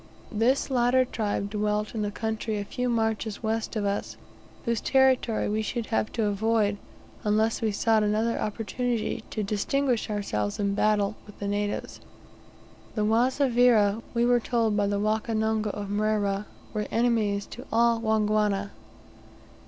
This latter tribe dwelt in a country a few marches west of us; whose territory we should have to avoid, unless we sought another opportunity to distinguish ourselves in battle with the natives. The Wazavira, we were told by the Wakonongo of Mrera, were enemies to all Wangwana.